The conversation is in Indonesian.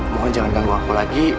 mohon jangan ganggu aku lagi